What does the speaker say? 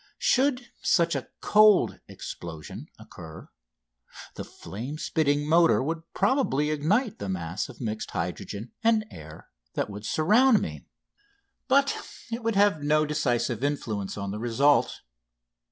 Should such a "cold" explosion occur, the flame spitting motor would probably ignite the mass of mixed hydrogen and air that would surround me; but it would have no decisive influence on the result.